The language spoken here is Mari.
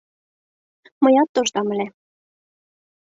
— Мыят тоштам ыле...